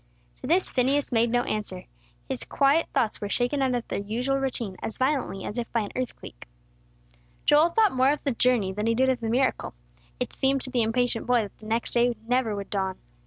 To this Phineas made no answer. His quiet thoughts were shaken out of their usual routine as violently as if by an earthquake. Joel thought more of the journey than he did of the miracle. It seemed to the impatient boy that the next day never would dawn.